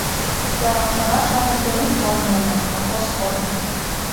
Утларак шонашлан ынде у корно уло — колхоз корно.